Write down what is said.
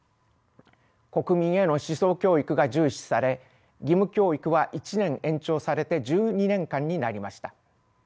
国民への思想教育が重視され義務教育は１年延長されて１２年間になりました。